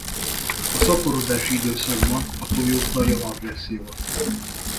A szaporodási időszakban a tojók nagyon agresszívak.